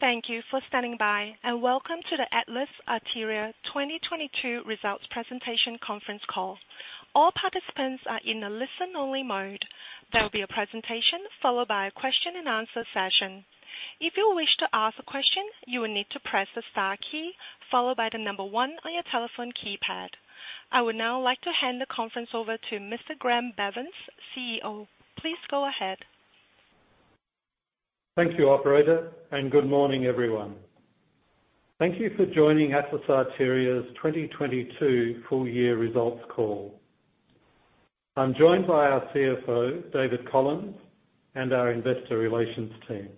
Thank you for standing by, welcome to the Atlas Arteria 2022 results presentation conference call. All participants are in a listen only mode. There will be a presentation followed by a question and answer session. If you wish to ask a question, you will need to press the star key followed by the 1 on your telephone keypad. I would now like to hand the conference over to Mr. Graeme Bevans, CEO. Please go ahead. Thank you, operator. Good morning, everyone. Thank you for joining Atlas Arteria's 2022 full year results call. I'm joined by our CFO David Collins, our investor relations team.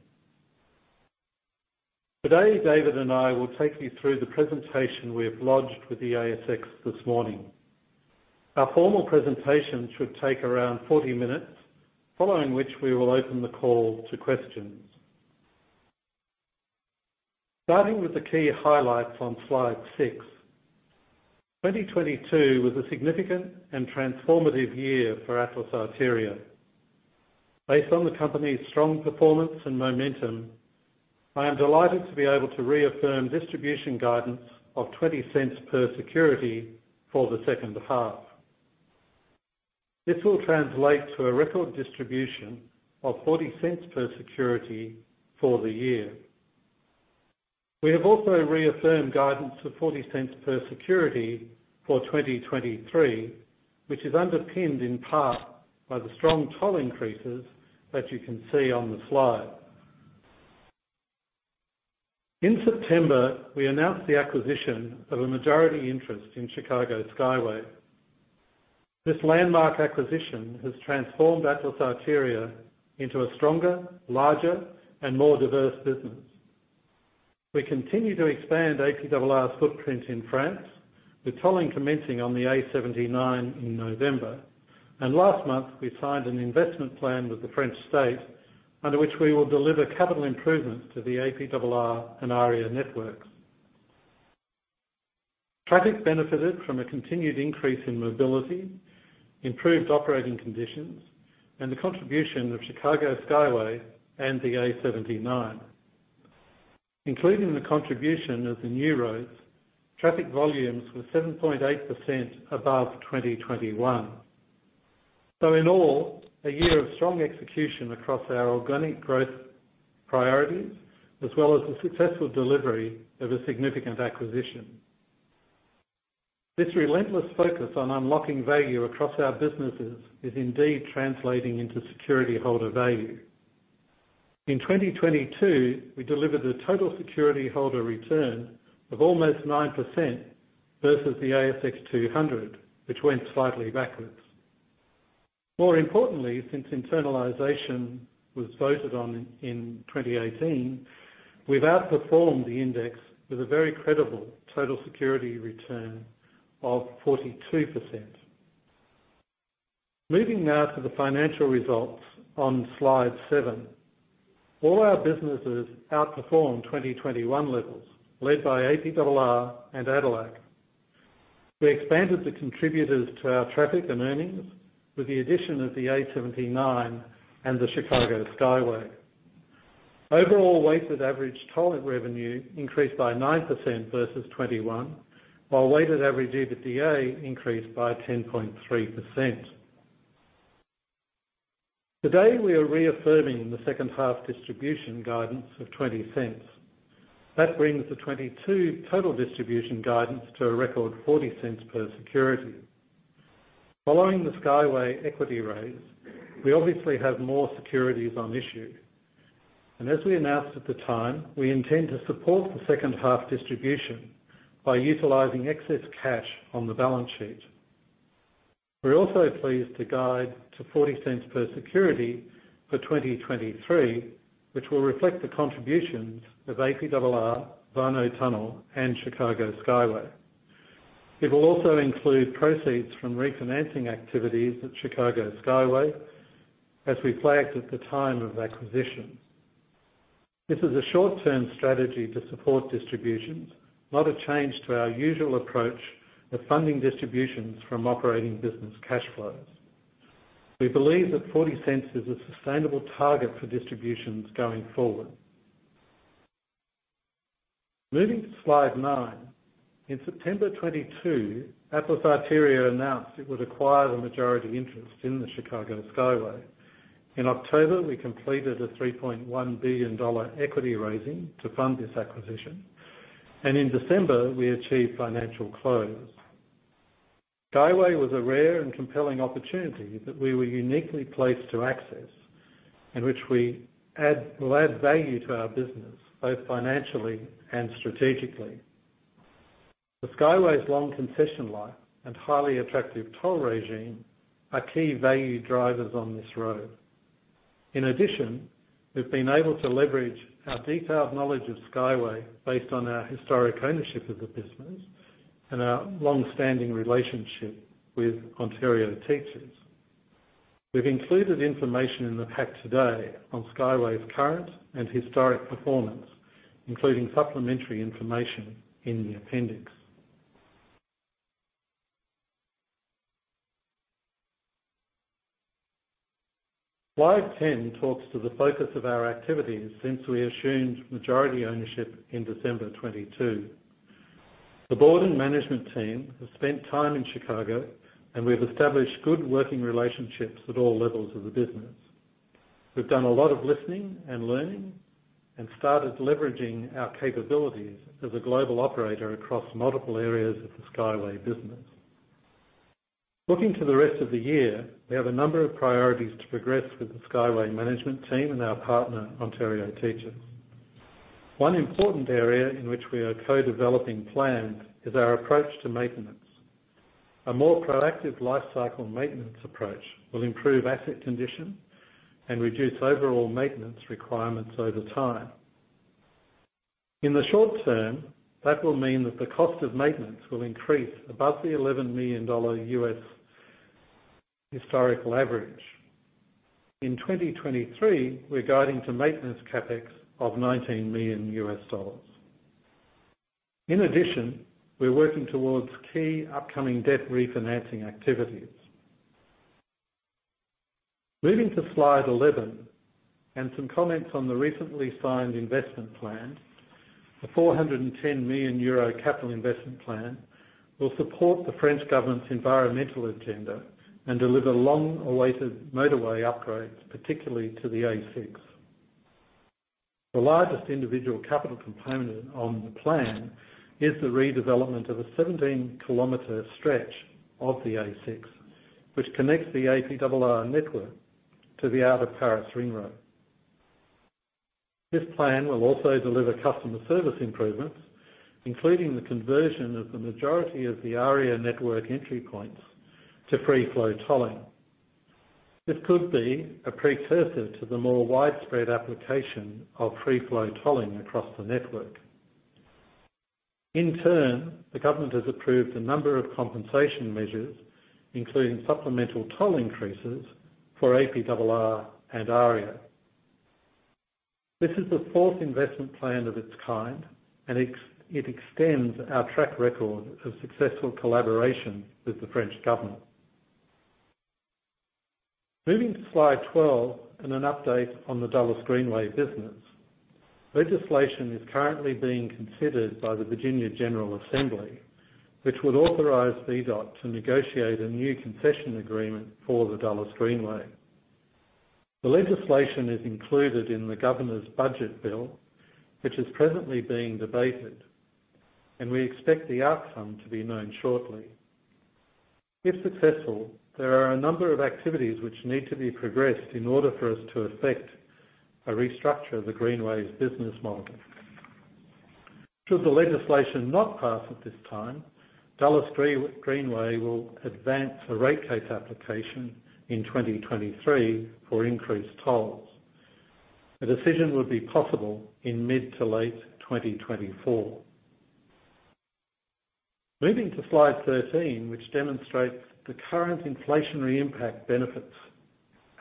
Today, David and I will take you through the presentation we have lodged with the ASX this morning. Our formal presentation should take around 40 minutes, following which we will open the call to questions. Starting with the key highlights on slide 6. 2022 was a significant and transformative year for Atlas Arteria. Based on the company's strong performance and momentum, I am delighted to be able to reaffirm distribution guidance of 0.20 per security for the second half. This will translate to a record distribution of 0.40 per security for the year. We have also reaffirmed guidance of 0.40 per security for 2023, which is underpinned in part by the strong toll increases that you can see on the slide. In September, we announced the acquisition of a majority interest in Chicago Skyway. This landmark acquisition has transformed Atlas Arteria into a stronger, larger, and more diverse business. We continue to expand APRR's footprint in France with tolling commencing on the A79 in November. Last month we signed an investment plan with the French State, under which we will deliver capital improvements to the APRR and AREA networks. Traffic benefited from a continued increase in mobility, improved operating conditions, and the contribution of Chicago Skyway and the A79. Including the contribution of the new roads, traffic volumes were 7.8% above 2021. In all, a year of strong execution across our organic growth priorities, as well as the successful delivery of a significant acquisition. This relentless focus on unlocking value across our businesses is indeed translating into security holder value. In 2022, we delivered a total security holder return of almost 9% versus the ASX 200, which went slightly backwards. Importantly, since internalization was voted on in 2018, we've outperformed the index with a very credible total security return of 42%. Moving now to the financial results on slide 7. All our businesses outperformed 2021 levels led by APRR and ADELAC. We expanded the contributors to our traffic and earnings with the addition of the A79 and the Chicago Skyway. Overall, weighted average tolling revenue increased by 9% versus 2021, while weighted average EBITDA increased by 10.3%. Today, we are reaffirming the second half distribution guidance of 0.20. That brings the 2022 total distribution guidance to a record 0.40 per security. Following the Skyway equity raise, we obviously have more securities on issue. As we announced at the time, we intend to support the second half distribution by utilizing excess cash on the balance sheet. We're also pleased to guide to 0.40 per security for 2023, which will reflect the contributions of APRR, Warnow Tunnel and Chicago Skyway. It will also include proceeds from refinancing activities at Chicago Skyway, as we flagged at the time of acquisition. This is a short-term strategy to support distributions, not a change to our usual approach of funding distributions from operating business cash flows. We believe that 0.40 is a sustainable target for distributions going forward. Moving to slide nine. In September 2022, Atlas Arteria announced it would acquire the majority interest in the Chicago Skyway. In October, we completed a $3.1 billion equity raising to fund this acquisition, and in December we achieved financial close. Skyway was a rare and compelling opportunity that we were uniquely placed to access, in which we will add value to our business both financially and strategically. The Skyway's long concession life and highly attractive toll regime are key value drivers on this road. In addition, we've been able to leverage our detailed knowledge of Skyway based on our historic ownership of the business and our long-standing relationship with Ontario Teachers. We've included information in the pack today on Skyway's current and historic performance, including supplementary information in the appendix. Slide 10 talks to the focus of our activities since we assumed majority ownership in December 2022. The board and management team have spent time in Chicago, and we've established good working relationships at all levels of the business. We've done a lot of listening and learning and started leveraging our capabilities as a global operator across multiple areas of the Skyway business. Looking to the rest of the year, we have a number of priorities to progress with the Skyway management team and our partner, Ontario Teachers. One important area in which we are co-developing plans is our approach to maintenance. A more proactive lifecycle maintenance approach will improve asset condition and reduce overall maintenance requirements over time. In the short term, that will mean that the cost of maintenance will increase above the $11 million U.S. historical average. In 2023, we're guiding to maintenance CapEx of $19 million U.S. dollars. In addition, we're working towards key upcoming debt refinancing activities. Moving to slide 11 and some comments on the recently signed investment plan. The 410 million euro capital investment plan will support the French government's environmental agenda and deliver long-awaited motorway upgrades, particularly to the A6. The largest individual capital component on the plan is the redevelopment of a 17-kilometer stretch of the A6, which connects the APRR network to the outer Paris ring road. This plan will also deliver customer service improvements, including the conversion of the majority of the AREA network entry points to free flow tolling. This could be a precursor to the more widespread application of free flow tolling across the network. The government has approved a number of compensation measures, including supplemental toll increases for APRR and AREA. This is the fourth investment plan of its kind, it extends our track record of successful collaboration with the French government. Moving to slide 12 and an update on the Dulles Greenway business. Legislation is currently being considered by the Virginia General Assembly, which would authorize VDOT to negotiate a new concession agreement for the Dulles Greenway. The legislation is included in the governor's budget bill, which is presently being debated, We expect the outcome to be known shortly. If successful, there are a number of activities which need to be progressed in order for us to effect a restructure of the Greenway's business model. Should the legislation not pass at this time, Dulles Greenway will advance a rate case application in 2023 for increased tolls. A decision would be possible in mid to late 2024. Moving to slide 13, which demonstrates the current inflationary impact benefits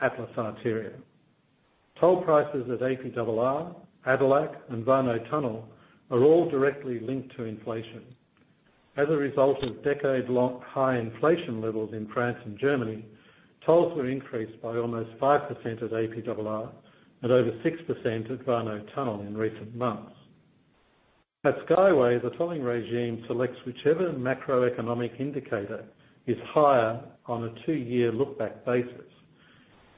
Atlas Arteria. Toll prices at APRR, ADELAC, and Warnow Tunnel are all directly linked to inflation. As a result of decade-long high inflation levels in France and Germany, tolls were increased by almost 5% at APRR and over 6% at Warnow Tunnel in recent months. At Skyway, the tolling regime selects whichever macroeconomic indicator is higher on a 2-year look back basis.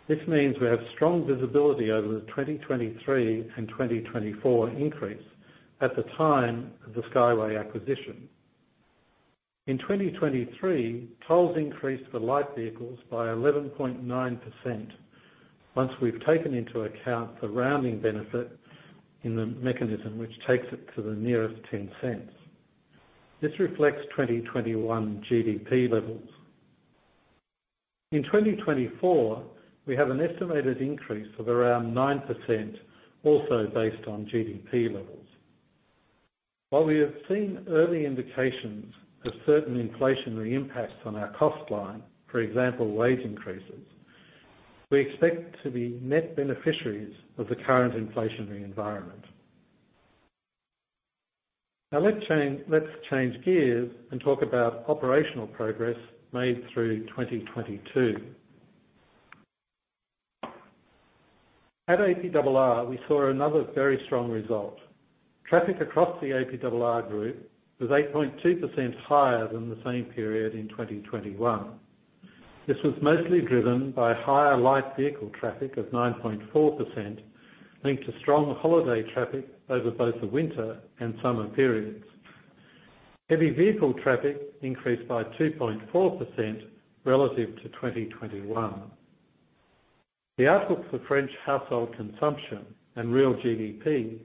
This means we have strong visibility over the 2023 and 2024 increase at the time of the Skyway acquisition. In 2023, tolls increased for light vehicles by 11.9% once we've taken into account the rounding benefit in the mechanism which takes it to the nearest 10 cents. This reflects 2021 GDP levels. In 2024, we have an estimated increase of around 9% also based on GDP levels. While we have seen early indications of certain inflationary impacts on our cost line, for example, wage increases, we expect to be net beneficiaries of the current inflationary environment. Let's change gears and talk about operational progress made through 2022. At APRR, we saw another very strong result. Traffic across the APRR group was 8.2% higher than the same period in 2021. This was mostly driven by higher light vehicle traffic of 9.4%, linked to strong holiday traffic over both the winter and summer periods. Heavy vehicle traffic increased by 2.4% relative to 2021. The outlook for French household consumption and real GDP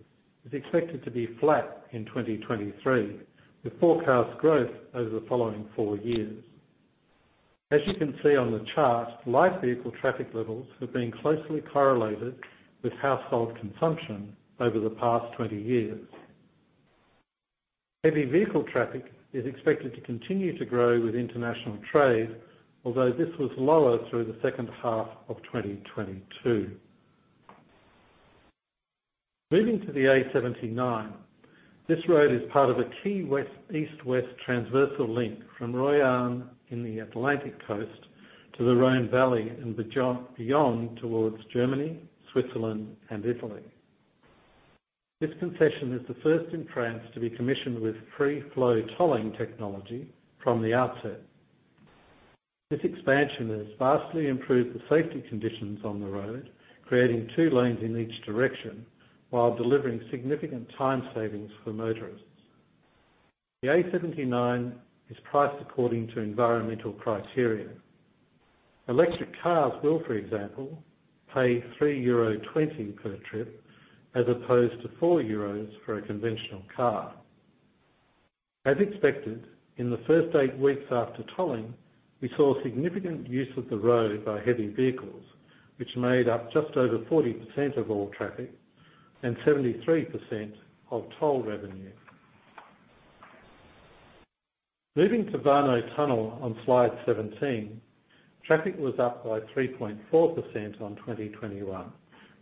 is expected to be flat in 2023, with forecast growth over the following four years. As you can see on the chart, light vehicle traffic levels have been closely correlated with household consumption over the past 20 years. Heavy vehicle traffic is expected to continue to grow with international trade, although this was lower through the second half of 2022. Moving to the A79. This road is part of a key west, east-west transversal link from Royan in the Atlantic coast to the Rhine Valley and beyond towards Germany, Switzerland and Italy. This concession is the first in France to be commissioned with free flow tolling technology from the outset. This expansion has vastly improved the safety conditions on the road, creating two lanes in each direction while delivering significant time savings for motorists. The A79 is priced according to environmental criteria. Electric cars will, for example, pay 3.20 euro per trip, as opposed to 4 euros for a conventional car. As expected, in the first eight weeks after tolling, we saw significant use of the road by heavy vehicles, which made up just over 40% of all traffic and 73% of toll revenue. Moving to Warnow Tunnel on slide 17. Traffic was up by 3.4% on 2021,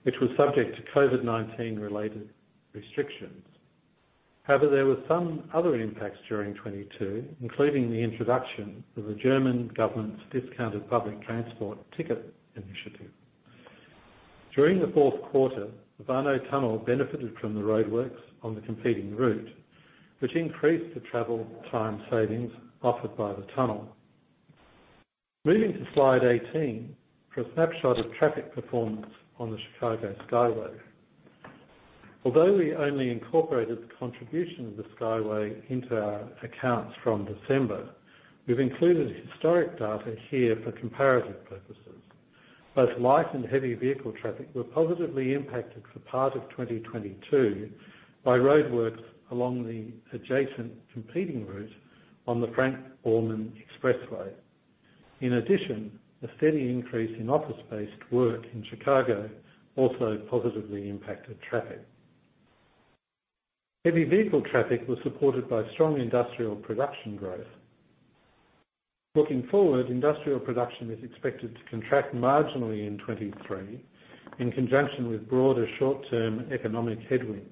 which was subject to COVID-19 related restrictions. However, there were some other impacts during 2022, including the introduction of the German government's discounted public transport ticket initiative. During the fourth quarter, the Warnow Tunnel benefited from the roadworks on the competing route, which increased the travel time savings offered by the tunnel. Moving to slide 18 for a snapshot of traffic performance on the Chicago Skyway. Although we only incorporated the contribution of the Skyway into our accounts from December, we've included historic data here for comparative purposes. Both light and heavy vehicle traffic were positively impacted for part of 2022 by roadworks along the adjacent competing route on the Frank Borman Expressway. In addition, the steady increase in office-based work in Chicago also positively impacted traffic. Heavy vehicle traffic was supported by strong industrial production growth. Looking forward, industrial production is expected to contract marginally in 2023, in conjunction with broader short term economic headwinds.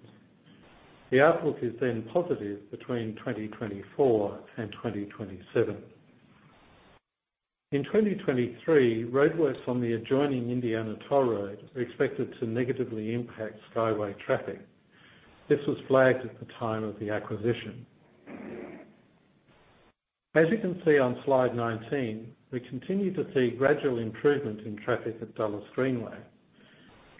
The outlook is then positive between 2024 and 2027. In 2023, roadworks on the adjoining Indiana Toll Road are expected to negatively impact Skyway traffic. This was flagged at the time of the acquisition. As you can see on slide 19, we continue to see gradual improvement in traffic at Dulles Greenway.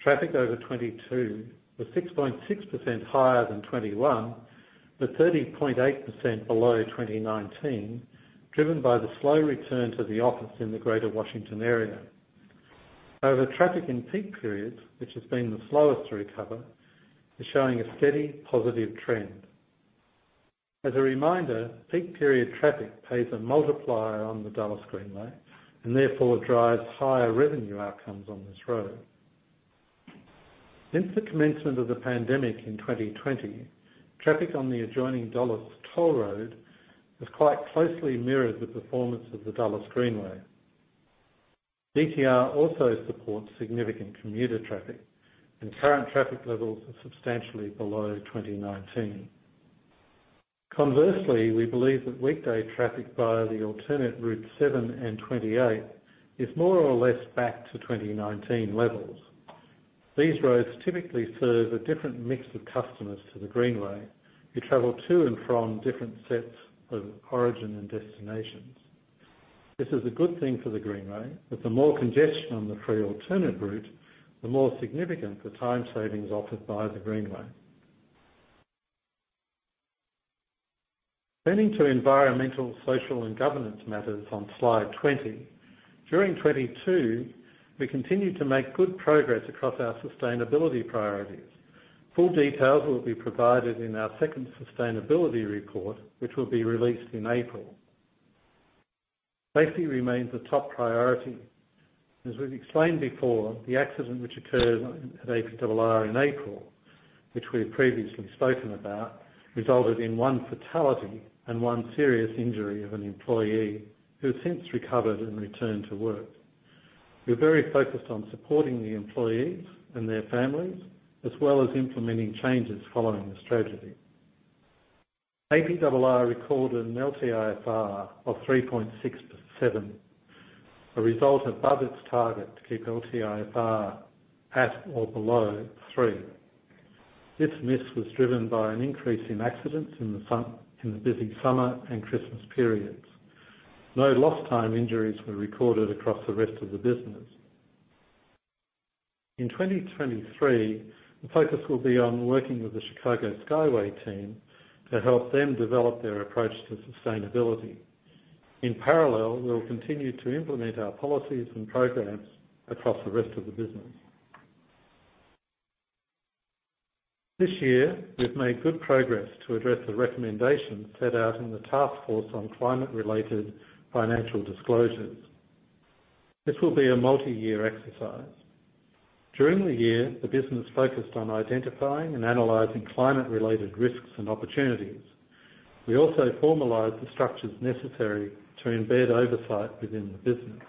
Traffic over 2022 was 6.6% higher than 2021, but 30.8% below 2019, driven by the slow return to the office in the greater Washington area. Traffic in peak periods, which has been the slowest to recover, is showing a steady positive trend. As a reminder, peak period traffic pays a multiplier on the Dulles Greenway and therefore drives higher revenue outcomes on this road. Since the commencement of the pandemic in 2020, traffic on the adjoining Dulles Toll Road has quite closely mirrored the performance of the Dulles Greenway. DTR also supports significant commuter traffic and current traffic levels are substantially below 2019. Conversely, we believe that weekday traffic via the alternate Route 7 and 28 is more or less back to 2019 levels. These roads typically serve a different mix of customers to the Greenway, who travel to and from different sets of origin and destinations. This is a good thing for the Greenway, as the more congestion on the free alternate route, the more significant the time savings offered by the Greenway. Turning to environmental, social, and governance matters on slide 20. During 2022, we continued to make good progress across our sustainability priorities. Full details will be provided in our second sustainability report, which will be released in April. Safety remains a top priority. As we've explained before, the accident which occurred at APRR in April, which we have previously spoken about, resulted in 1 fatality and 1 serious injury of an employee who has since recovered and returned to work. We're very focused on supporting the employees and their families as well as implementing changes following this tragedy. APRR recorded an LTIFR of 3.67, a result above its target to keep LTIFR at or below 3. This miss was driven by an increase in accidents in the busy summer and Christmas periods. No lost time injuries were recorded across the rest of the business. In 2023, the focus will be on working with the Chicago Skyway team to help them develop their approach to sustainability. In parallel, we will continue to implement our policies and programs across the rest of the business. This year, we've made good progress to address the recommendations set out in the Task Force on Climate-related Financial Disclosures. This will be a multi-year exercise. During the year, the business focused on identifying and analyzing climate-related risks and opportunities. We also formalized the structures necessary to embed oversight within the business.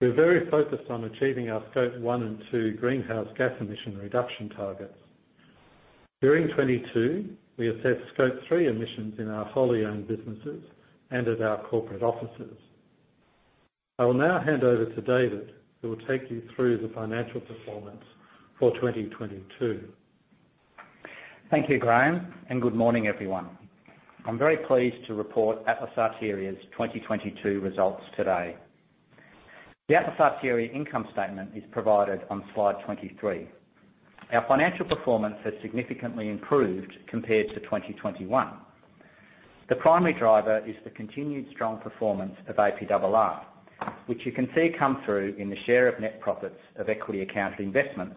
We're very focused on achieving our Scope 1 and 2 greenhouse gas emission reduction targets. During 2022, we assessed Scope 3 emissions in our wholly owned businesses and at our corporate offices. I will now hand over to David, who will take you through the financial performance for 2022. Thank you, Graeme, Good morning, everyone. I'm very pleased to report Atlas Arteria's 2022 results today. The Atlas Arteria income statement is provided on slide 23. Our financial performance has significantly improved compared to 2021. The primary driver is the continued strong performance of APRR, which you can see come through in the share of net profits of equity account investments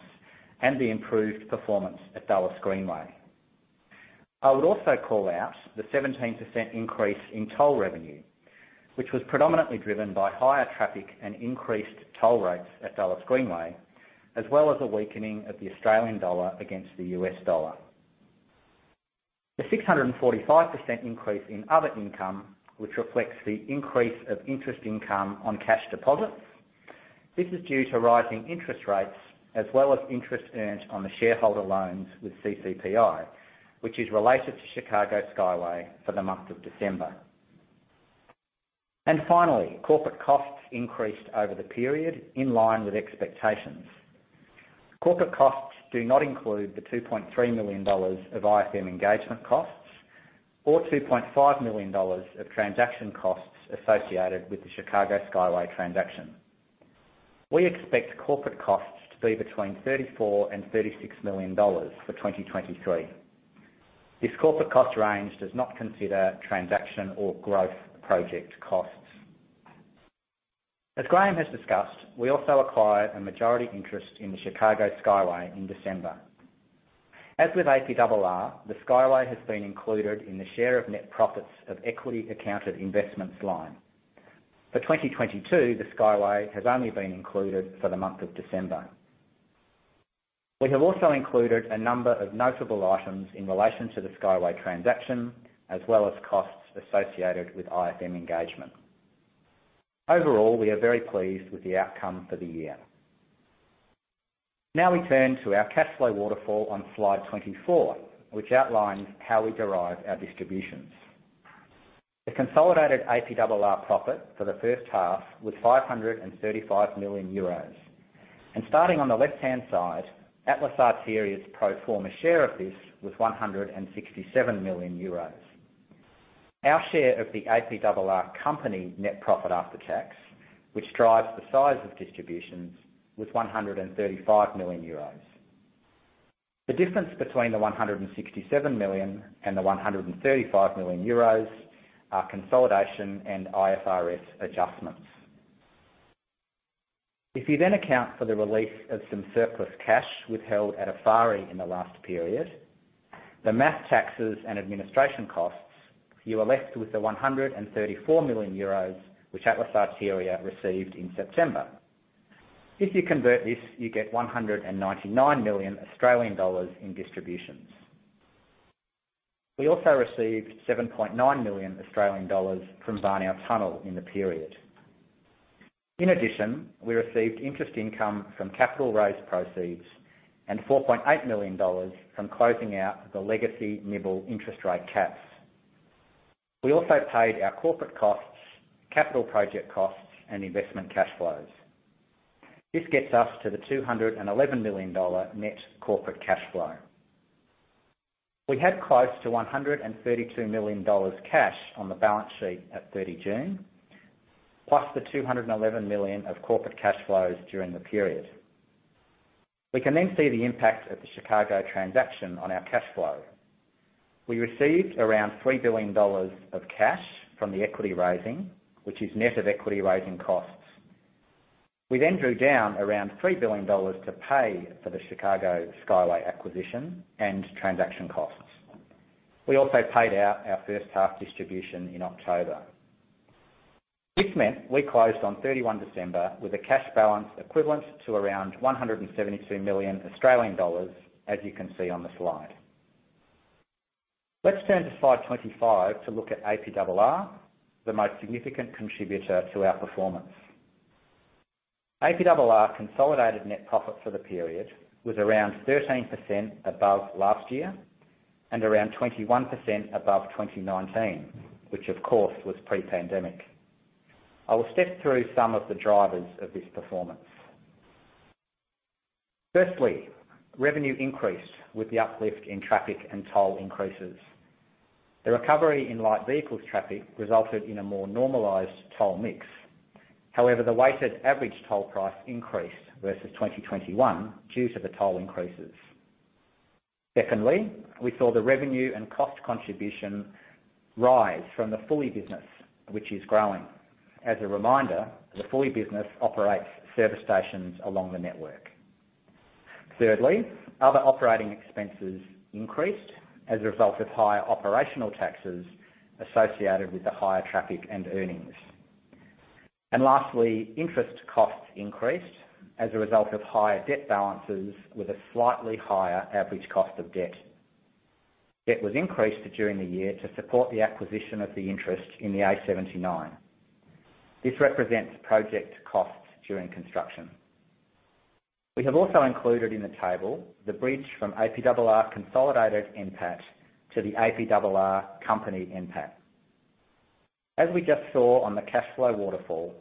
and the improved performance at Dulles Greenway. I would also call out the 17% increase in toll revenue, which was predominantly driven by higher traffic and increased toll rates at Dulles Greenway, as well as a weakening of the Australian dollar against the US dollar. The 645% increase in other income, which reflects the increase of interest income on cash deposits. This is due to rising interest rates as well as interest earned on the shareholder loans with CCPI, which is related to Chicago Skyway for the month of December. Finally, corporate costs increased over the period in line with expectations. Corporate costs do not include the $2.3 million of IFM engagement costs or $2.5 million of transaction costs associated with the Chicago Skyway transaction. We expect corporate costs to be between $34 million and $36 million for 2023. This corporate cost range does not consider transaction or growth project costs. As Graeme has discussed, we also acquired a majority interest in the Chicago Skyway in December. As with APRR, the Skyway has been included in the share of net profits of equity accounted investments line. For 2022, the Skyway has only been included for the month of December. We have also included a number of notable items in relation to the Skyway transaction, as well as costs associated with IFM engagement. Overall, we are very pleased with the outcome for the year. We turn to our cash flow waterfall on slide 24, which outlines how we derive our distributions. The consolidated APRR profit for the first half was 535 million euros. Starting on the left-hand side, Atlas Arteria's pro forma share of this was 167 million euros. Our share of the APRR company net profit after tax, which drives the size of distributions, was 135 million euros. The difference between the 167 million and the 135 million euros are consolidation and IFRS adjustments. If you account for the release of some surplus cash withheld at APRR in the last period, the math taxes and administration costs, you are left with the 134 million euros, which Atlas Arteria received in September. If you convert this, you get 199 million Australian dollars in distributions. We also received 7.9 million Australian dollars from Warnow Tunnel in the period. In addition, we received interest income from capital raise proceeds and 4.8 million dollars from closing out the legacy LIBOR interest rate caps. We also paid our corporate costs, capital project costs, and investment cash flows. This gets us to the 211 million dollar net corporate cash flow. We had close to 132 million dollars cash on the balance sheet at June 30, plus the 211 million of corporate cash flows during the period. We can see the impact of the Chicago transaction on our cash flow. We received around 3 billion dollars of cash from the equity raising, which is net of equity raising costs. We drew down around 3 billion dollars to pay for the Chicago Skyway acquisition and transaction costs. We also paid out our first half distribution in October. This meant we closed on December 31 with a cash balance equivalent to around 172 million Australian dollars, as you can see on the slide. Let's turn to slide 25 to look at APRR, the most significant contributor to our performance. APRR consolidated net profit for the period was around 13% above last year and around 21% above 2019, which of course, was pre-pandemic. I will step through some of the drivers of this performance. Firstly, revenue increased with the uplift in traffic and toll increases. The recovery in light vehicles traffic resulted in a more normalized toll mix. However, the weighted average toll price increased versus 2021 due to the toll increases. Secondly, we saw the revenue and cost contribution rise from the Fulli business, which is growing. As a reminder, the Fulli business operates service stations along the network. Thirdly, other operating expenses increased as a result of higher operational taxes associated with the higher traffic and earnings. Lastly, interest costs increased as a result of higher debt balances with a slightly higher average cost of debt. It was increased during the year to support the acquisition of the interest in the A79. This represents project costs during construction. We have also included in the table the bridge from APRR consolidated NPAT to the APRR company NPAT. As we just saw on the cash flow waterfall,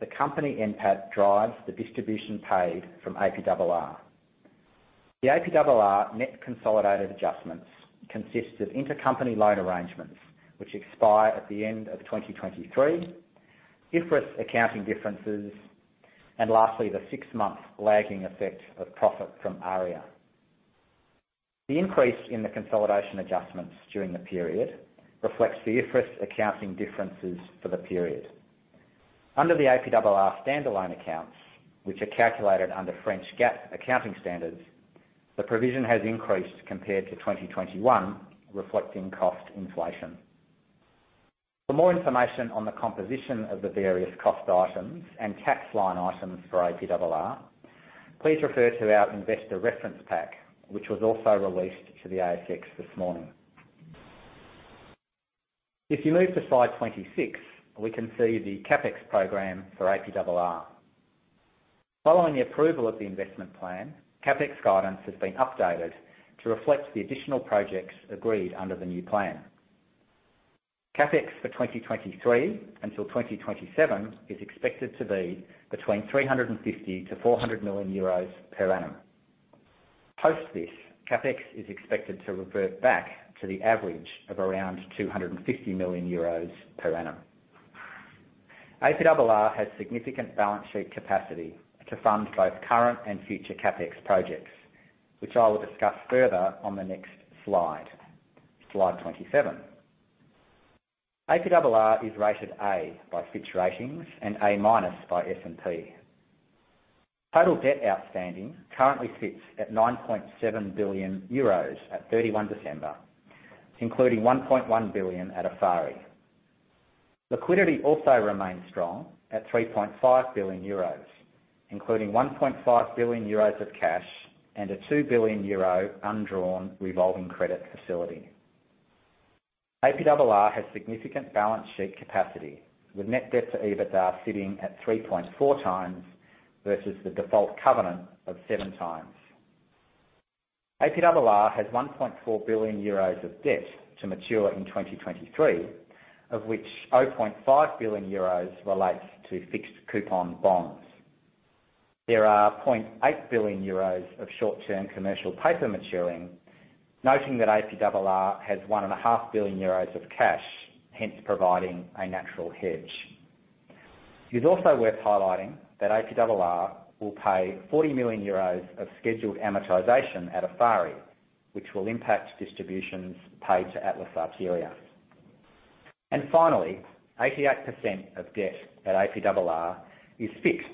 the company NPAT drives the distribution paid from APRR. The APRR net consolidated adjustments consists of intercompany loan arrangements, which expire at the end of 2023, IFRS accounting differences, and lastly, the six-month lagging effect of profit from AREA. The increase in the consolidation adjustments during the period reflects the IFRS accounting differences for the period. Under the APRR standalone accounts, which are calculated under French GAAP accounting standards, the provision has increased compared to 2021, reflecting cost inflation. For more information on the composition of the various cost items and tax line items for APRR, please refer to our investor reference pack, which was also released to the ASX this morning. If you move to slide 26, we can see the CapEx program for APRR. Following the approval of the investment plan, CapEx guidance has been updated to reflect the additional projects agreed under the new plan. CapEx for 2023 until 2027 is expected to be between 350 million-400 million euros per annum. Post this, CapEx is expected to revert back to the average of around 250 million euros per annum. APRR has significant balance sheet capacity to fund both current and future CapEx projects, which I will discuss further on the next slide 27. APRR is rated A by Fitch Ratings and A-minus by S&P. Total debt outstanding currently sits at 9.7 billion euros at 31 December, including 1.1 billion at APRR. Liquidity also remains strong at 3.5 billion euros, including 1.5 billion euros of cash and a 2 billion euro undrawn revolving credit facility. APRR has significant balance sheet capacity, with net debt to EBITDA sitting at 3.4x versus the default covenant of 7x. APRR has 1.4 billion euros of debt to mature in 2023, of which 0.5 billion euros relates to fixed coupon bonds. There are 0.8 billion euros of short-term commercial paper maturing, noting that APRR has one and a half billion euros of cash, hence providing a natural hedge. It is also worth highlighting that APRR will pay 40 million euros of scheduled amortization at Afari, which will impact distributions paid to Atlas Arteria. Finally, 88% of debt at APRR is fixed,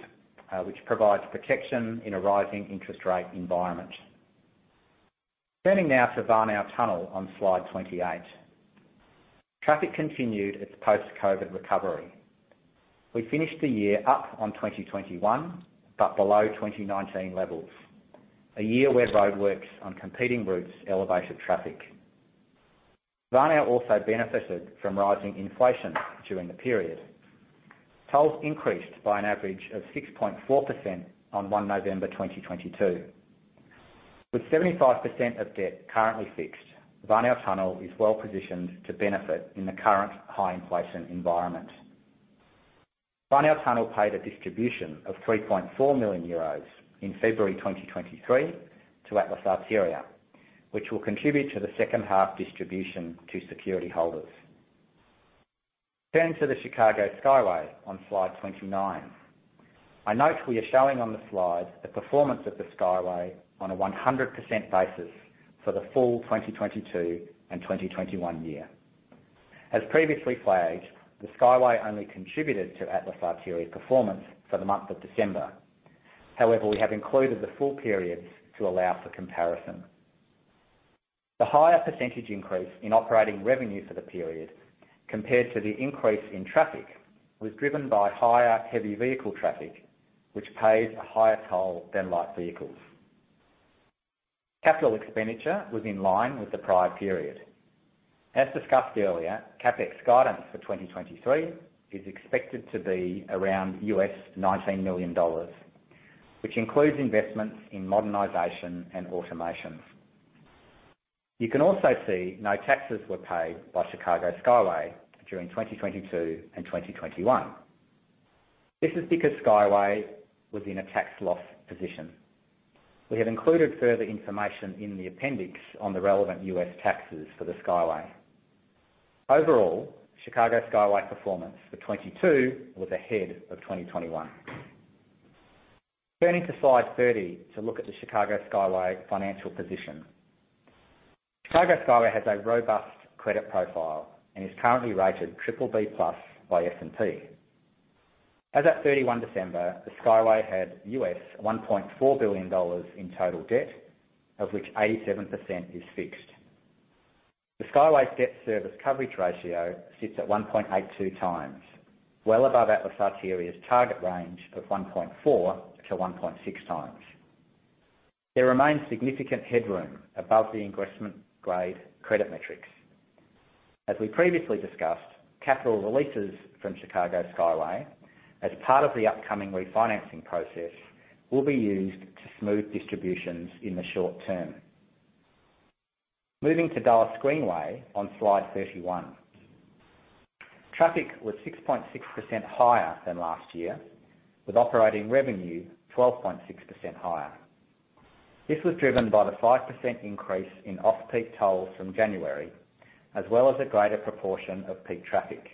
which provides protection in a rising interest rate environment. Turning now to Warnow Tunnel on slide 28. Traffic continued its post-COVID recovery. We finished the year up on 2021 but below 2019 levels, a year where roadworks on competing routes elevated traffic. Warnow also benefited from rising inflation during the period. Tolls increased by an average of 6.4% on November 1, 2022. With 75% of debt currently fixed, Warnow Tunnel is well-positioned to benefit in the current high inflation environment. Warnow Tunnel paid a distribution of 3.4 million euros in February 2023 to Atlas Arteria, which will contribute to the second half distribution to security holders. Turning to the Chicago Skyway on slide 29. I note we are showing on the slide the performance of the Skyway on a 100% basis for the full 2022 and 2021 year. As previously flagged, the Skyway only contributed to Atlas Arteria's performance for the month of December. However, we have included the full periods to allow for comparison. The higher percentage increase in operating revenue for the period compared to the increase in traffic was driven by higher heavy vehicle traffic, which pays a higher toll than light vehicles. Capital expenditure was in line with the prior period. As discussed earlier, CapEx guidance for 2023 is expected to be around $19 million, which includes investments in modernization and automation. You can also see no taxes were paid by Chicago Skyway during 2022 and 2021. This is because Skyway was in a tax loss position. We have included further information in the appendix on the relevant US taxes for the Skyway. Overall, Chicago Skyway performance for 2022 was ahead of 2021. Turning to slide 30 to look at the Chicago Skyway financial position. Chicago Skyway has a robust credit profile and is currently rated BBB+ by S&P. As at 31 December, the Skyway had $1.4 billion in total debt, of which 87% is fixed. The Skyway's debt service coverage ratio sits at 1.82 times. Above Atlas Arteria's target range of 1.4-1.6 times. There remains significant headroom above the investment-grade credit metrics. As we previously discussed, capital releases from Chicago Skyway as part of the upcoming refinancing process will be used to smooth distributions in the short term. Moving to Dulles Greenway on slide 31. Traffic was 6.6% higher than last year, with operating revenue 12.6% higher. This was driven by the 5% increase in off-peak tolls from January, as well as a greater proportion of peak traffic.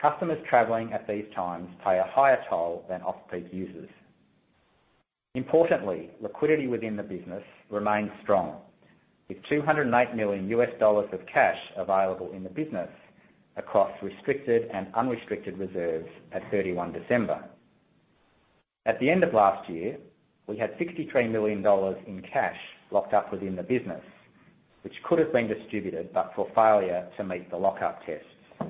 Customers traveling at these times pay a higher toll than off-peak users. Importantly, liquidity within the business remains strong, with $208 million of cash available in the business across restricted and unrestricted reserves at 31 December. At the end of last year, we had $63 million in cash locked up within the business, which could have been distributed but for failure to meet the lockup tests.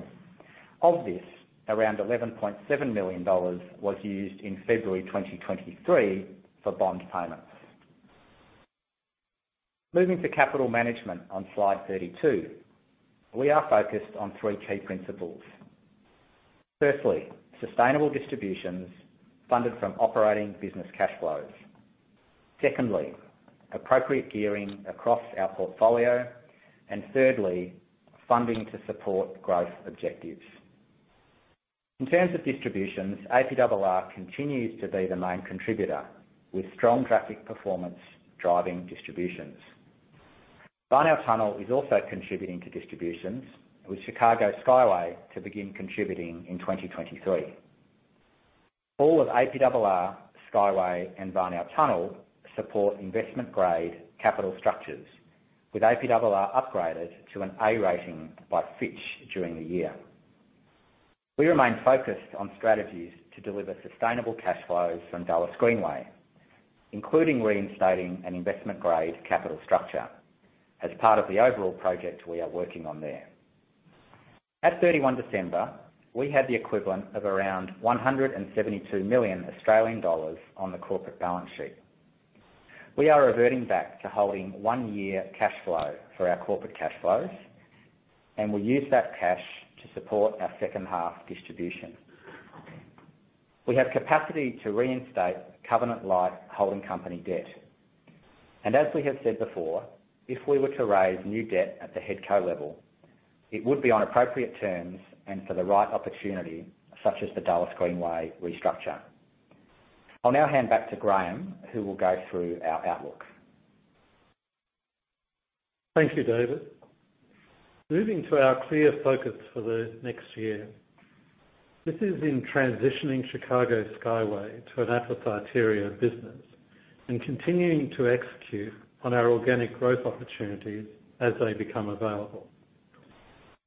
Of this, around $11.7 million was used in February 2023 for bond payments. Moving to capital management on slide 32. We are focused on three key principles. Firstly, sustainable distributions funded from operating business cash flows. Secondly, appropriate gearing across our portfolio. Thirdly, funding to support growth objectives. In terms of distributions, APRR continues to be the main contributor, with strong traffic performance driving distributions. Warnow Tunnel is also contributing to distributions, with Chicago Skyway to begin contributing in 2023. All of APRR, Skyway and Warnow Tunnel support investment-grade capital structures, with APRR upgraded to an A rating by Fitch during the year. We remain focused on strategies to deliver sustainable cash flows from Dulles Greenway, including reinstating an investment-grade capital structure as part of the overall project we are working on there. At 31 December, we had the equivalent of around 172 million Australian dollars on the corporate balance sheet. We are reverting back to holding one year cash flow for our corporate cash flows, and we use that cash to support our second half distribution. We have capacity to reinstate covenant light holding company debt. As we have said before, if we were to raise new debt at the head co level, it would be on appropriate terms and for the right opportunity, such as the Dulles Greenway restructure. I'll now hand back to Graeme, who will go through our outlook. Thank you, David. Moving to our clear focus for the next year. This is in transitioning Chicago Skyway to an Atlas Arteria business and continuing to execute on our organic growth opportunities as they become available.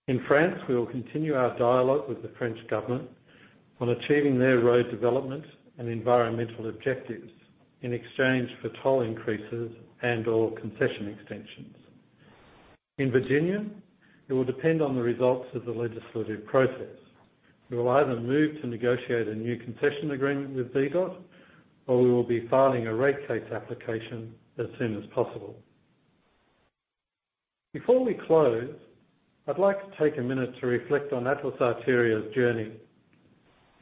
In France, we will continue our dialogue with the French government on achieving their road development and environmental objectives in exchange for toll increases and/or concession extensions. In Virginia, it will depend on the results of the legislative process. We will either move to negotiate a new concession agreement with VDOT, or we will be filing a rate case application as soon as possible. Before we close, I'd like to take a minute to reflect on Atlas Arteria's journey.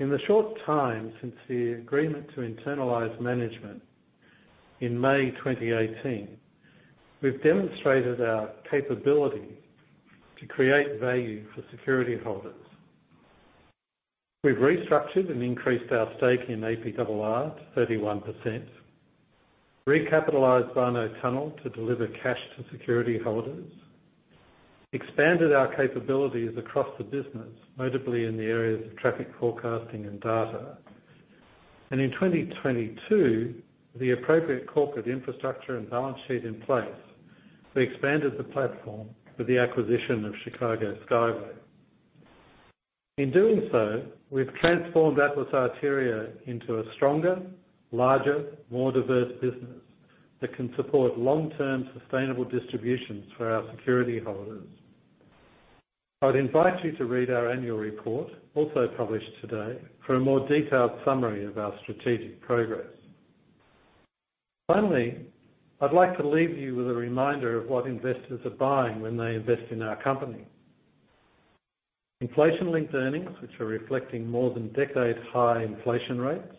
In the short time since the agreement to internalize management in May 2018, we've demonstrated our capability to create value for security holders. We've restructured and increased our stake in APRR to 31%, recapitalized Warnow Tunnel to deliver cash to security holders, expanded our capabilities across the business, notably in the areas of traffic forecasting and data. In 2022, the appropriate corporate infrastructure and balance sheet in place, we expanded the platform with the acquisition of Chicago Skyway. In doing so, we've transformed Atlas Arteria into a stronger, larger, more diverse business that can support long-term sustainable distributions for our security holders. I would invite you to read our annual report, also published today, for a more detailed summary of our strategic progress. I'd like to leave you with a reminder of what investors are buying when they invest in our company. Inflation-linked earnings, which are reflecting more than decade-high inflation rates,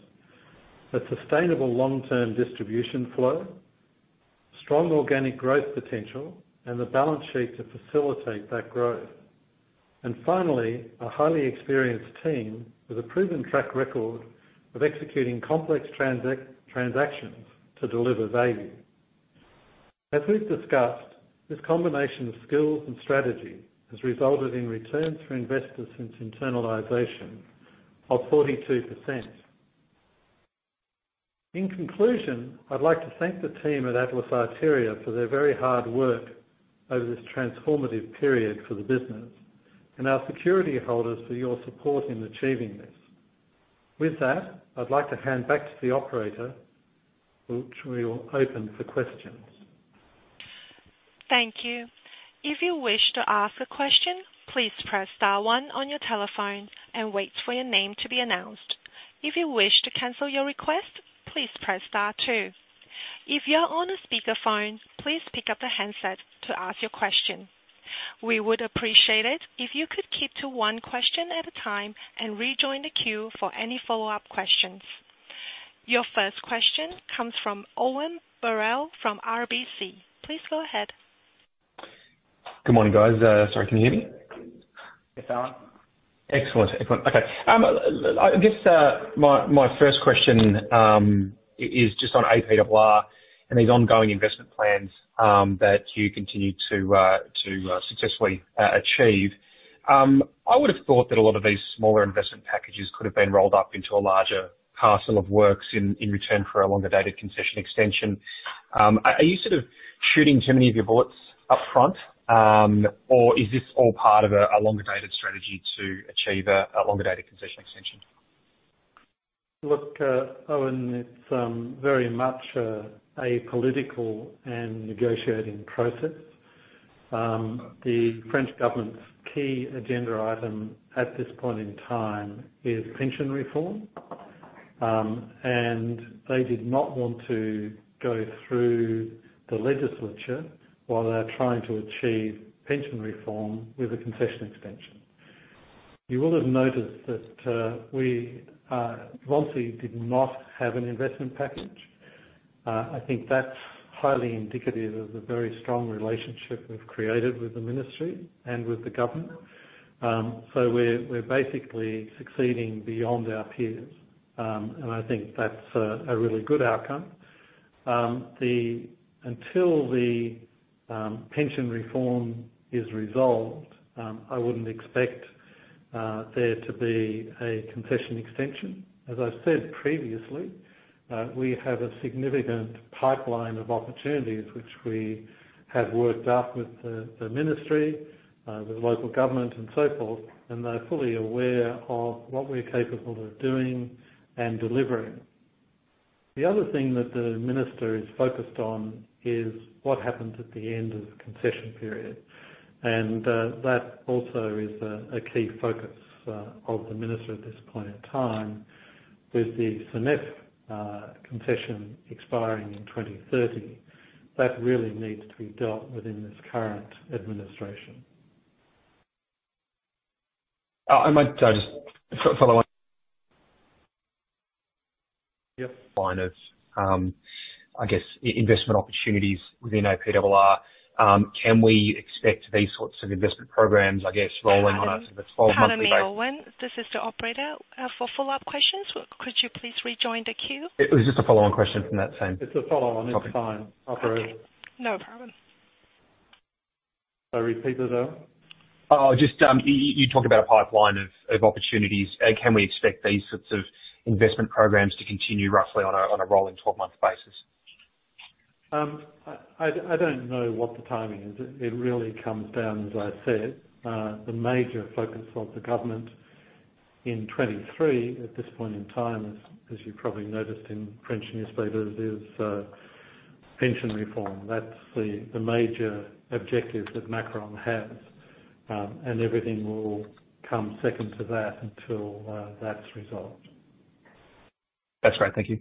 a sustainable long-term distribution flow, strong organic growth potential, and the balance sheet to facilitate that growth. Finally, a highly experienced team with a proven track record of executing complex transactions to deliver value. As we've discussed, this combination of skills and strategy has resulted in returns for investors since internalization of 42%. In conclusion, I'd like to thank the team at Atlas Arteria for their very hard work over this transformative period for the business and our security holders for your support in achieving this. With that, I'd like to hand back to the operator, which we will open for questions. Thank you. If you wish to ask a question, please press star one on your telephone and wait for your name to be announced. If you wish to cancel your request, please press star two. If you're on a speakerphone, please pick up the handset to ask your question. We would appreciate it if you could keep to one question at a time and rejoin the queue for any follow-up questions. Your first question comes from Owen Birrell from RBC. Please go ahead. Good morning, guys. sorry, can you hear me? Yes, Anthony Moulder. Excellent. Excellent. Okay. I guess my first question is just on APR and these ongoing investment plans that you continue to successfully achieve. I would have thought that a lot of these smaller investment packages could have been rolled up into a larger parcel of works in return for a longer dated concession extension. Are you sort of shooting too many of your bullets upfront, or is this all part of a longer dated strategy to achieve a longer dated concession extension? Look, Owen, it's very much a political and negotiating process. The French State's key agenda item at this point in time is pension reform. They did not want to go through the legislature while they are trying to achieve pension reform with a concession extension. You will have noticed that we obviously did not have an investment package. I think that's highly indicative of the very strong relationship we've created with the ministry and with the government. We're basically succeeding beyond our peers, I think that's a really good outcome. Until the pension reform is resolved, I wouldn't expect there to be a concession extension. As I've said previously, we have a significant pipeline of opportunities which we have worked up with the ministry, with local government and so forth, and they're fully aware of what we're capable of doing and delivering. The other thing that the minister is focused on is what happens at the end of the concession period. That also is a key focus of the minister at this point in time. With the SANEF concession expiring in 2030, that really needs to be dealt within this current administration. I might just follow on. Yep. Line of, I guess investment opportunities within APRR. Can we expect these sorts of investment programs, I guess, rolling on a 12 monthly? Pardon me, Owen. This is the operator. For follow-up questions, could you please rejoin the queue? It was just a follow-on question from that. It's a follow on. It's fine. Okay. Operate. No problem. repeat it, Owen. Just, you talked about a pipeline of opportunities. Can we expect these sorts of investment programs to continue roughly on a rolling 12-month basis? I don't know what the timing is. It really comes down, as I said, the major focus of the government in 2023 at this point in time, as you probably noticed in French newspapers, is pension reform. That's the major objective that Macron has. Everything will come second to that until that's resolved. That's right. Thank you.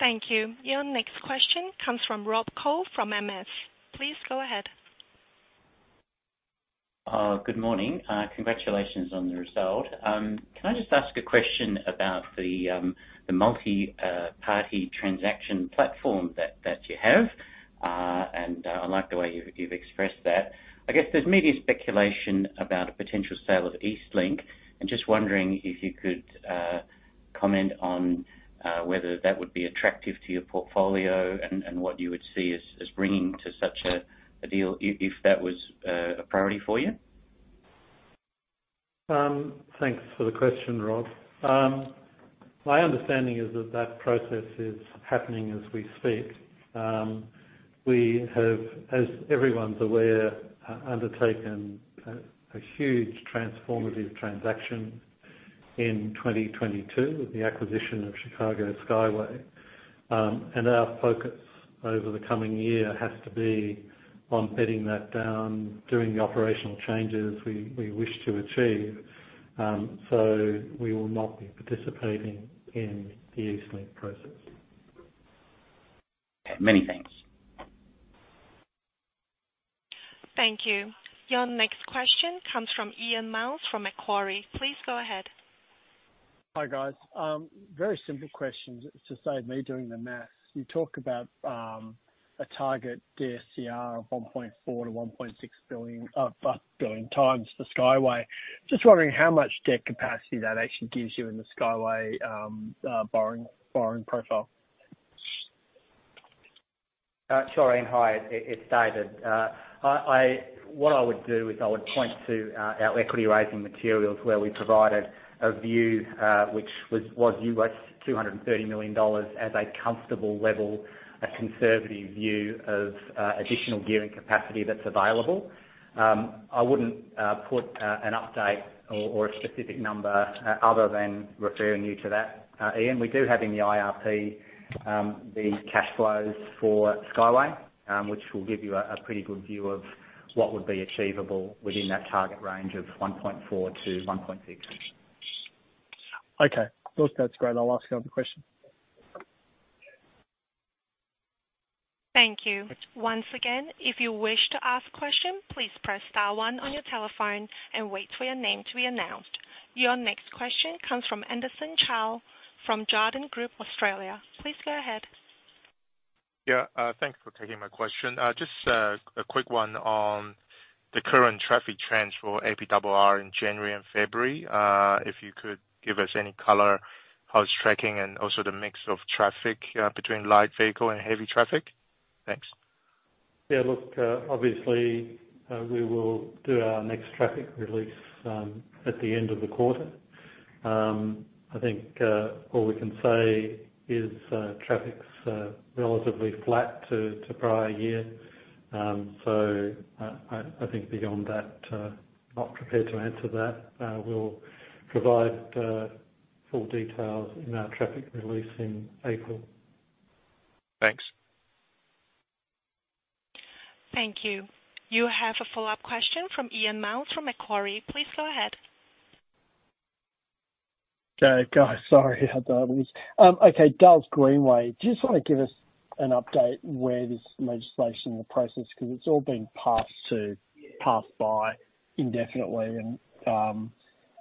Thank you. Your next question comes from Rob Koh from MS. Please go ahead. Good morning. Congratulations on the result. Can I just ask a question about the multi, party transaction platform that you have? I like the way you've expressed that. I guess there's media speculation about a potential sale of EastLink. I'm just wondering if you could, comment on, whether that would be attractive to your portfolio and what you would see as bringing to such a deal if that was, a priority for you. Thanks for the question, Rob Koh. My understanding is that that process is happening as we speak. We have, as everyone's aware, undertaken a huge transformative transaction in 2022 with the acquisition of Chicago Skyway. Our focus over the coming year has to be on bedding that down, doing the operational changes we wish to achieve. We will not be participating in the EastLink process. Many thanks. Thank you. Your next question comes from Ian Myles from Macquarie. Please go ahead. Hi, guys. Very simple questions to save me doing the math. You talk about a target DSCR of $1.4 billion-$1.6 billion times for Skyway. Just wondering how much debt capacity that actually gives you in the Skyway borrowing profile. Sure. Ian, hi. It's David. What I would do is I would point to our equity raising materials where we provided a view, which was US $230 million as a comfortable level, a conservative view of additional gearing capacity that's available. I wouldn't put an update or a specific number other than referring you to that, Ian. We do have in the IRP the cash flows for Skyway, which will give you a pretty good view of what would be achievable within that target range of 1.4 to 1.6. Okay. Well, that's great. I'll ask the other question. Thank you. Once again, if you wish to ask question, please press star one on your telephone and wait for your name to be announced. Your next question comes from Anthony Chow from Jarden. Please go ahead. Thanks for taking my question. Just a quick one on the current traffic trends for APRR in January and February. If you could give us any color, how it's tracking and also the mix of traffic between light vehicle and heavy traffic. Thanks. Yeah, look, obviously, we will do our next traffic release at the end of the quarter. I think all we can say is traffic's relatively flat to prior year. I think beyond that, not prepared to answer that. We'll provide full details in our traffic release in April. Thanks. Thank you. You have a follow-up question from Ian Myles from Macquarie. Please go ahead. Okay, guys, sorry how that was. Okay, Dulles Greenway, do you just wanna give us an update where this legislation in the process 'cause it's all been passed to, passed by indefinitely and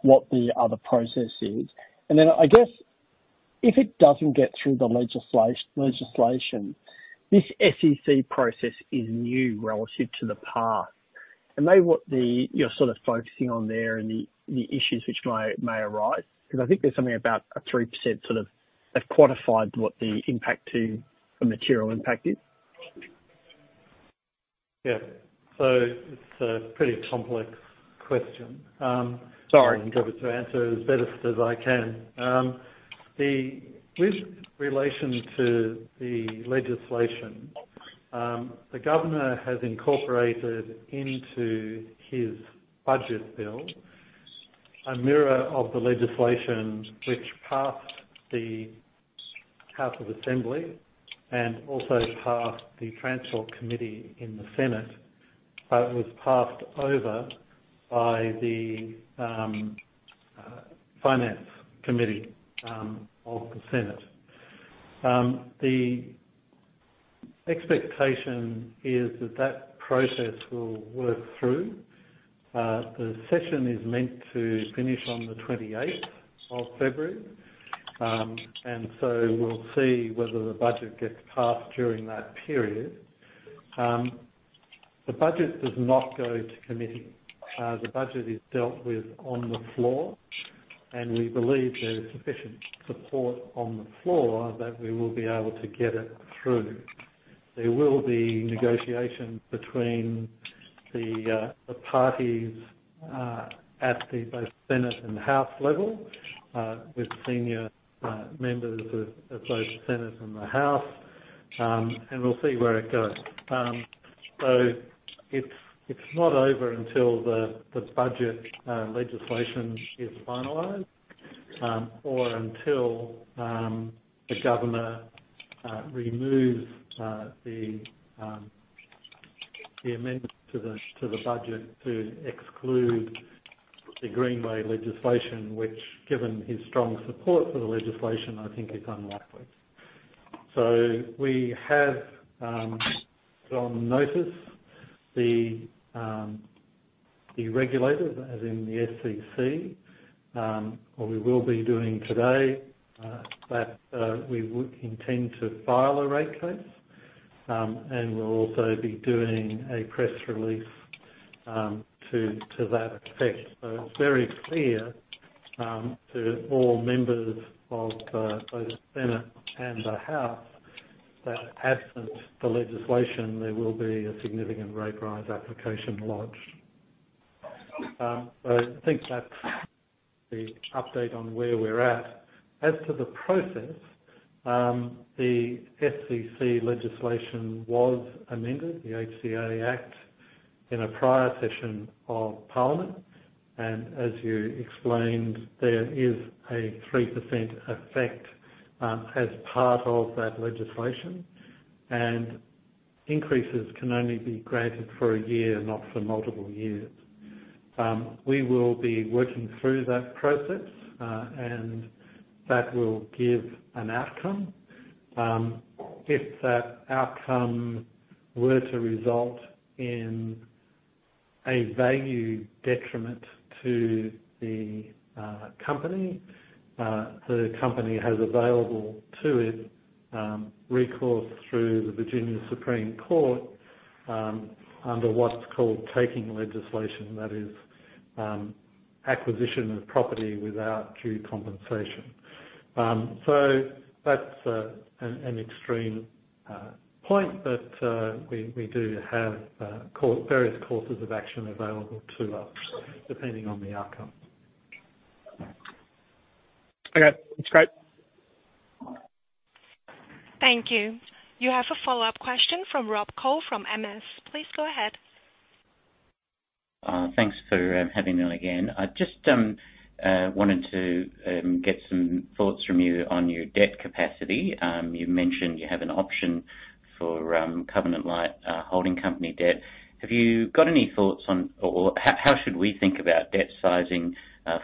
what the other process is? I guess, if it doesn't get through the legislation, this SEC process is new relative to the past, and they want the you're sort of focusing on there and the issues which may arise because I think there's something about a 3% sort of, like, quantified what the impact to the material impact is. It's a pretty complex question. Sorry. I'll give it to answer as best as I can. The with relation to the legislation, the governor has incorporated into his budget bill, a mirror of the legislation which passed the House of Assembly and also passed the Transport Committee in the Senate, but was passed over by the Finance Committee of the Senate. The expectation is that that process will work through. The session is meant to finish on the 28th of February. We'll see whether the budget gets passed during that period. The budget does not go to committee. The budget is dealt with on the floor, and we believe there's sufficient support on the floor that we will be able to get it through. There will be negotiations between the parties, at the both Senate and the House level, with senior members of both Senate and the House. We'll see where it goes. It's not over until the budget legislation is finalized, or until the governor removes the amendment to the budget to exclude the Greenway legislation which given his strong support for the legislation, I think is unlikely. We have put on notice the regulators, as in the SEC, or we will be doing today, that we would intend to file a rate case. We'll also be doing a press release to that effect. It's very clear to all members of both Senate and the House that absent the legislation, there will be a significant rate rise application lodged. I think that's the update on where we're at. As to the process, the SEC legislation was amended, the HCA Act, in a prior session of Parliament. As you explained, there is a 3% effect as part of that legislation. Increases can only be granted for a year, not for multiple years. We will be working through that process, and that will give an outcome. If that outcome were to result in a value detriment to the company, the company has available to it recourse through the Supreme Court of Virginia under what's called taking legislation that is acquisition of property without due compensation. That's an extreme point, but we do have various courses of action available to us depending on the outcome. Okay. That's great. Thank you. You have a follow-up question from Rob Koh from MS. Please go ahead. Thanks for having me on again. I just wanted to get some thoughts from you on your debt capacity. You mentioned you have an option for covenant relief, holding company debt. Have you got any thoughts on? Or how should we think about debt sizing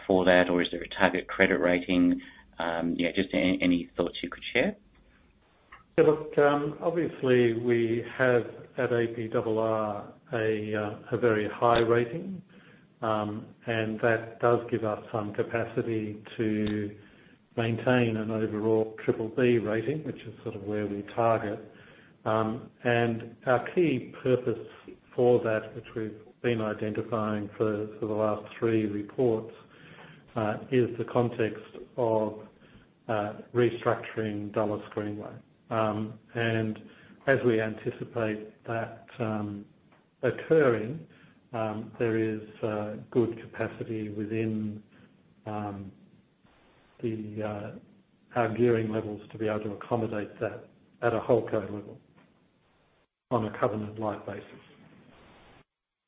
for that? Or is there a target credit rating? Yeah, just any thoughts you could share. Yeah, look, obviously we have, at APRR, a very high rating. That does give us some capacity to maintain an overall triple B rating, which is sort of where we target. Our key purpose for that, which we've been identifying for the last three reports, is the context of restructuring Dulles Greenway. As we anticipate that occurring, there is good capacity within the our gearing levels to be able to accommodate that at a whole code level on a covenant life basis.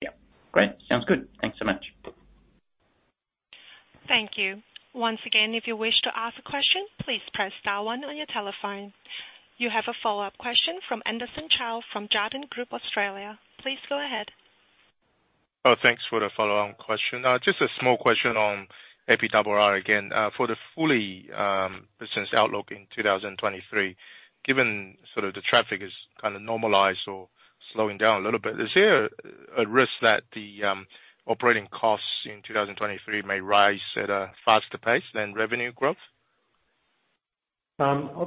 Yeah. Great. Sounds good. Thanks so much. Thank you. Once again, if you wish to ask a question, please press star one on your telephone. You have a follow-up question from Anthony Chow from Jarden Australia. Please go ahead. Oh, thanks for the follow-on question. Just a small question on APRR again. For the Fulli business outlook in 2023, given sort of the traffic is kinda normalized or slowing down a little bit, is there a risk that the operating costs in 2023 may rise at a faster pace than revenue growth? Thanks for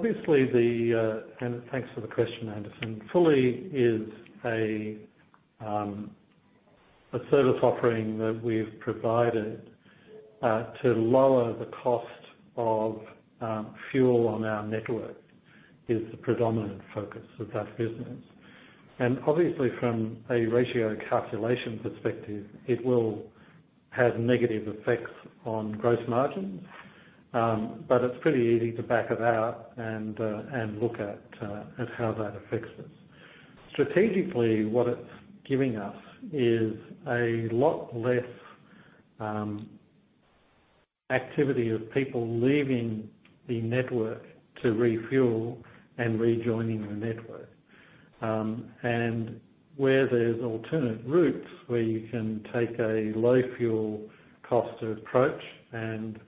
the question, Anthony Chow. Fully is a service offering that we've provided to lower the cost of fuel on our network, is the predominant focus of that business. Obviously from a ratio calculation perspective, it will have negative effects on gross margins. It's pretty easy to back it out and look at how that affects us. Strategically, what it's giving us is a lot less activity of people leaving the network to refuel and rejoining the network. Where there's alternate routes, where you can take a low fuel cost approach, and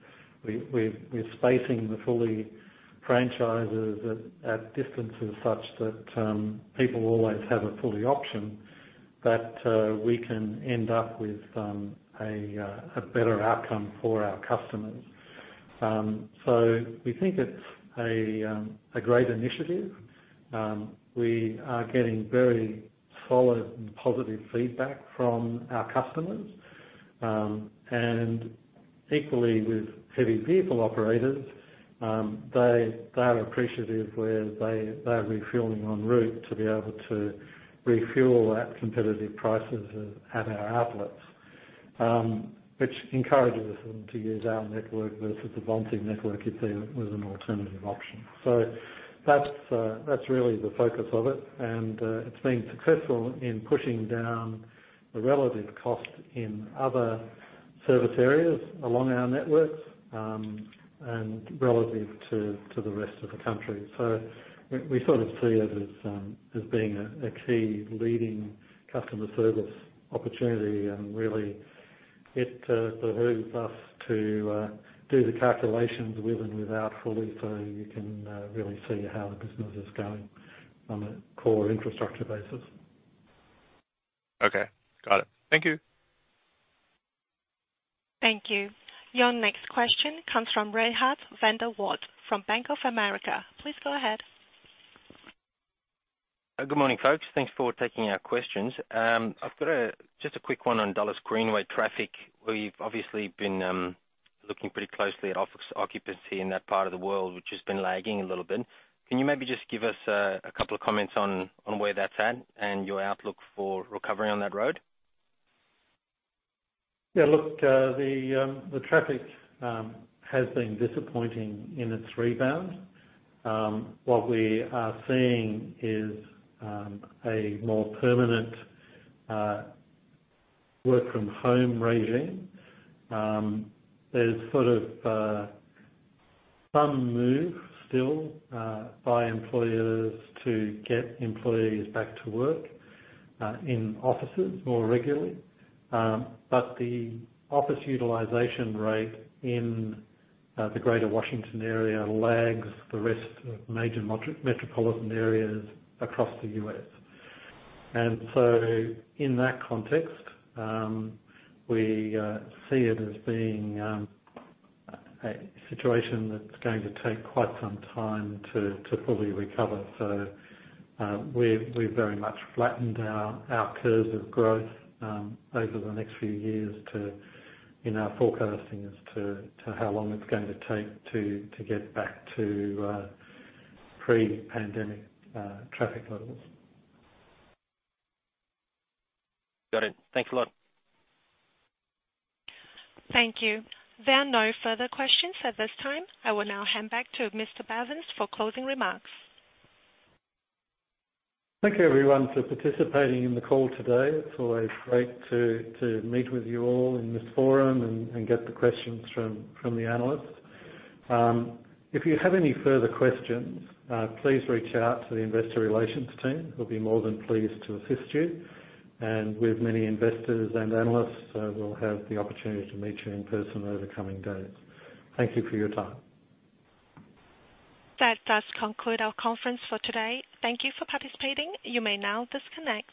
we're spacing the Fully franchises at distances such that people always have a Fully option that we can end up with a better outcome for our customers. We think it's a great initiative. We are getting very solid and positive feedback from our customers. Equally with heavy vehicle operators, they are appreciative where they're refueling en route to be able to refuel at competitive prices at our outlets, which encourages them to use our network versus the competing network if there was an alternative option. That's really the focus of it. It's been successful in pushing down the relative cost in other service areas along our networks, and relative to the rest of the country. We sort of see it as being a key leading customer service opportunity and really it behooves us to do the calculations with and without fully so you can really see how the business is going on a core infrastructure basis. Okay. Got it. Thank you. Thank you. Your next question comes from Reinhardt Van der Walt from Bank of America. Please go ahead. Good morning, folks. Thanks for taking our questions. I've got a just a quick one on Dulles Greenway traffic. We've obviously been looking pretty closely at office occupancy in that part of the world, which has been lagging a little bit. Can you maybe just give us a couple of comments on where that's at and your outlook for recovery on that road? Yeah, look, the traffic has been disappointing in its rebound. What we are seeing is a more permanent work from home regime. There's sort of some move still by employers to get employees back to work in offices more regularly. But the office utilization rate in the Greater Washington area lags the rest of major metropolitan areas across the U.S. In that context, we see it as being a situation that's going to take quite some time to fully recover. We've, we've very much flattened our curves of growth over the next few years to, in our forecasting as to how long it's going to take to get back to pre-pandemic traffic levels. Got it. Thanks a lot. Thank you. There are no further questions at this time. I will now hand back to Mr. Bevans for closing remarks. Thank you, everyone, for participating in the call today. It's always great to meet with you all in this forum and get the questions from the analysts. If you have any further questions, please reach out to the investor relations team. We'll be more than pleased to assist you. With many investors and analysts, we'll have the opportunity to meet you in person over the coming days. Thank you for your time. That does conclude our conference for today. Thank Thank you for participating. You may now disconnect.